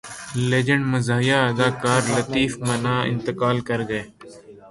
legend مزاحیہ اداکار لطیف منا انتقال کر گئے